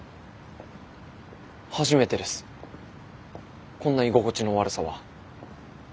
初めてですこんな居心地の悪さは。